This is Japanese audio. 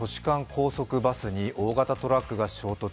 高速バスに大型トラックが衝突。